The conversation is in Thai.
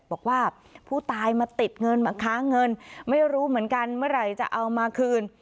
บอกว่าผู้ตายมาติดเงินมาค้างเงินไม่รู้เหมือนกันเมื่อไหร่จะเอามาคืน